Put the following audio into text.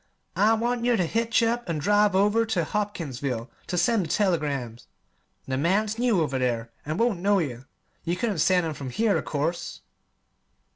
I want yer ter hitch up an' drive over ter Hopkinsville ter send the telegrams. The man's new over there, an' won't know yer. You couldn't send 'em from here, of course."